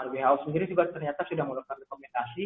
who sendiri juga ternyata sudah melakukan rekomendasi